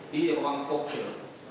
di ruang pokok